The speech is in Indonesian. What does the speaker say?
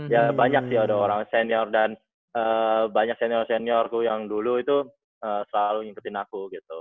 ya banyak sih ada orang senior dan banyak senior senior yang dulu itu selalu ngikutin aku gitu